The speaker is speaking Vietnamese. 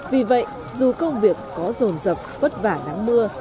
vì vậy dù công việc có rồn rập vất vả nắng mưa